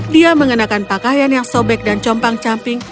dia mengenakan pakaian yang sobek dan compang camping